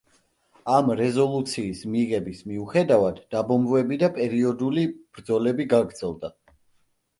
ამ რეზოლუციის მიღების მიუხედავად, დაბომბვები და პერიოდული ბრძოლები გაგრძელდა.